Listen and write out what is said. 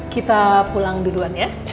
kita pulang duluan ya